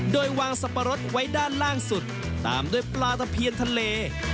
โดยวางสับปะรดไว้ด้านล่างสุดตามด้วยปลาตะเพียนทะเล